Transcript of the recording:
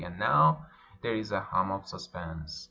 And now there is a hum of suspense.